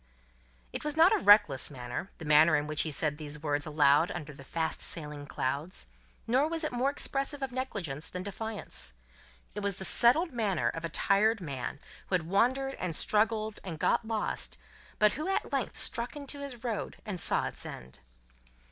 It was not a reckless manner, the manner in which he said these words aloud under the fast sailing clouds, nor was it more expressive of negligence than defiance. It was the settled manner of a tired man, who had wandered and struggled and got lost, but who at length struck into his road and saw its end.